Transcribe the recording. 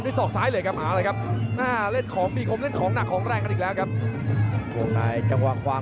อมพยายามจะขยับเร็วขึ้นครับเจอขวา